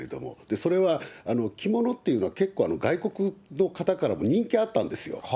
それは、着物っていうのは結構、外国の方からも人気あったんですよ。